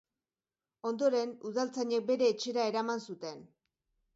Ondoren, udaltzainek bere etxera eraman zuten.